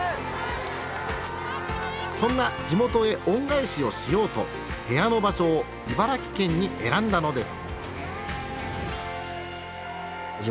そんな地元へ恩返しをしようと部屋の場所を茨城県に選んだのです。